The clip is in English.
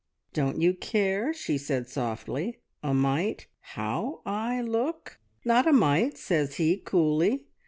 "`Don't you care,' said she softly, `a mite how I look?' "`Not a mite,' says he coolly.